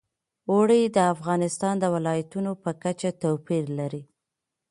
اوړي د افغانستان د ولایاتو په کچه توپیر لري.